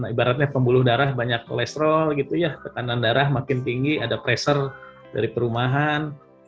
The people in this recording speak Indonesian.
ibaratnya pembuluh darah banyak kolesterol gitu ya tekanan darah makin tinggi ada pressure dari perumahan